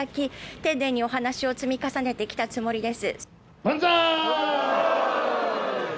丁寧にお話を積み重ねてきたつもりです。